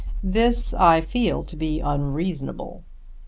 This I feel to be unreasonable.